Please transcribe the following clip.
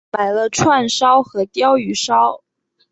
买了串烧和鲷鱼烧